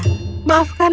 maafkan aku tuan hakim agung